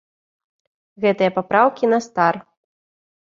Гэтыя папраўкі на стар.